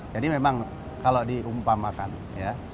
jadi memang kalau diumpamakan ya